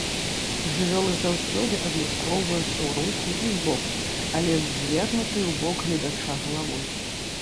Жывёлы заўсёды адлюстроўваюцца ў руху і збоку, але з звернутай у бок гледача галавой.